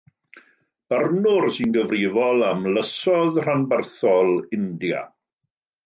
Barnwr sy'n gyfrifol am Lysoedd Rhanbarthol India.